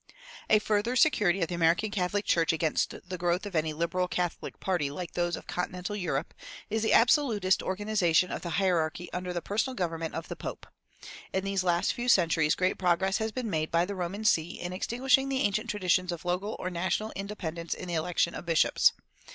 A further security of the American Catholic Church against the growth of any "Liberal Catholic" party like those of continental Europe is the absolutist organization of the hierarchy under the personal government of the pope. In these last few centuries great progress has been made by the Roman see in extinguishing the ancient traditions of local or national independence in the election of bishops.